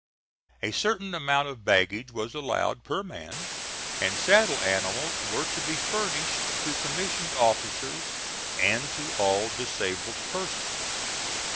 A certain amount of baggage was allowed per man, and saddle animals were to be furnished to commissioned officers and to all disabled persons.